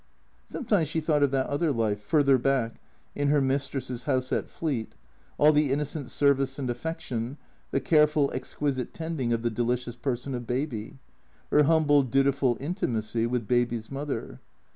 ) Sometimes she thought of that other life, further back, in her mistress's house at Fleet, all the innocent service and affection, the careful, exquisite tending of the delicious person of Baby, her humble, dutiful intimacy with Baby's mother.